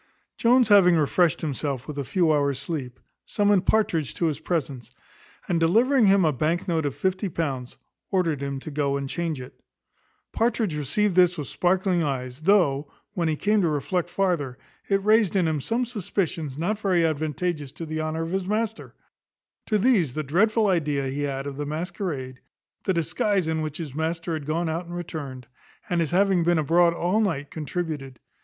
Jones having refreshed himself with a few hours' sleep, summoned Partridge to his presence; and delivering him a bank note of fifty pounds, ordered him to go and change it. Partridge received this with sparkling eyes, though, when he came to reflect farther, it raised in him some suspicions not very advantageous to the honour of his master: to these the dreadful idea he had of the masquerade, the disguise in which his master had gone out and returned, and his having been abroad all night, contributed.